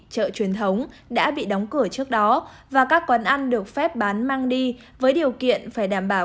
chợ truyền thống đã bị đóng cửa trước đó và các quán ăn được phép bán mang đi với điều kiện phải đảm bảo